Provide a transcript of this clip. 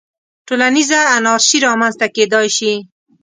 ټولنیزه انارشي رامنځته کېدای شي.